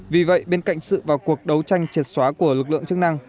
vì vậy bên cạnh sự vào cuộc đấu tranh triệt xóa của lực lượng chức năng